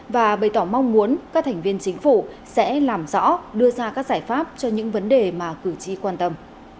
và bày tỏ mong muốn các thành viên chính phủ sẽ làm rõ đưa ra các giải pháp cho những vấn đề mà cử tri quan tâm